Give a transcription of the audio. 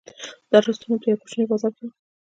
دا رسټورانټ په یوه کوچني بازار کې و.